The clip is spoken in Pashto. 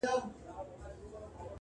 شور به ګډ په شالمار سي د زلمیو!!